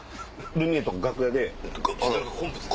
ルミネとか楽屋で。